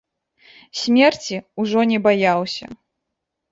Смерці ўжо не баяўся.